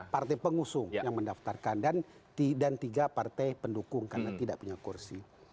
partai pengusung yang mendaftarkan dan tiga partai pendukung karena tidak punya kursi